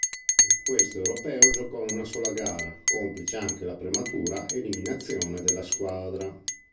In questo Europeo giocò una sola gara, complice anche la prematura eliminazione della squadra.